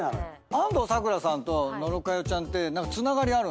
安藤サクラさんと野呂佳代ちゃん何かつながりあるんすか？